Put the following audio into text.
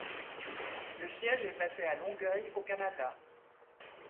Le siège est basé à Longueuil, au Canada.